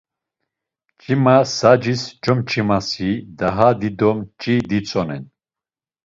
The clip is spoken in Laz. Mç̌ima sacis comç̌imasi daha dido mç̌iy ditzonen.